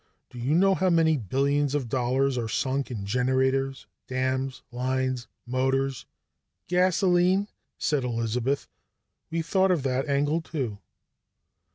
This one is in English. Do you know how many billions of dollars are sunk in generators, dams, lines, motors " "Gasoline," said Elizabeth. "We've thought of that angle too."